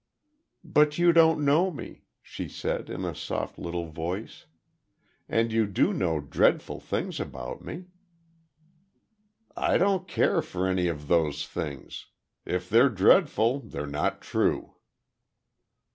"But you don't know me," she said, in a soft little voice. "And you do know dreadful things about me." "I don't care for any of those things. If they're dreadful, they're not true."